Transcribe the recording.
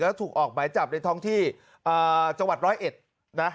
แล้วถูกออกหมายจับในท้องที่จังหวัดร้อยเอ็ดนะ